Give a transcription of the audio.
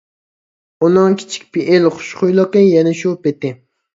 ئۇنىڭ كىچىك پېئىل، خۇشخۇيلۇقى يەنە شۇ پىتى.